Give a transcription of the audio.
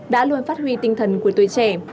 đã luôn phát huy tinh thần của tuổi trẻ